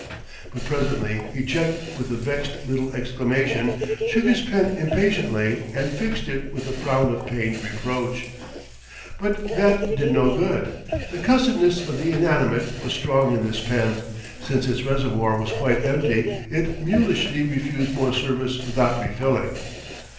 But presently he checked with a vexed little exclamation, shook his pen impatiently, and fixed it with a frown of pained reproach. But that did no good. The cussedness of the inanimate was strong in this pen: since its reservoir was quite empty it mulishly refused more service without refilling.